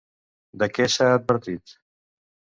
De què s'ha advertit?